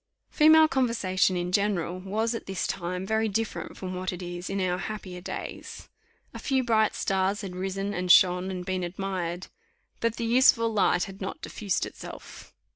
Female conversation in general was, at this time, very different from what it is in our happier days. A few bright stars had risen, and shone, and been admired; but the useful light had not diffused itself.